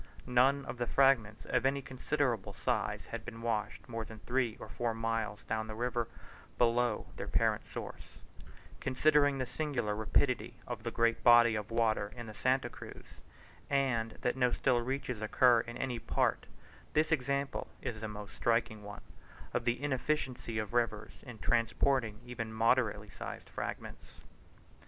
None of the fragments of any considerable size had been washed more than three or four miles down the river below their parent source: considering the singular rapidity of the great body of water in the Santa Cruz, and that no still reaches occur in any part, this example is a most striking one, of the inefficiency of rivers in transporting even moderately sized fragments.